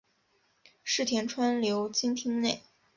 柿田川流经町内。